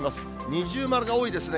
二重丸が多いですね。